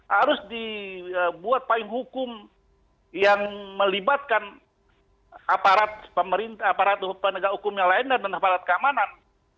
harus dibuat payung hukum yang melibatkan aparat penegak hukum yang lain dan aparat keamanan